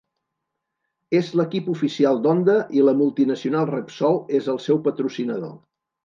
És l'equip oficial d'Honda i la multinacional Repsol és el seu patrocinador.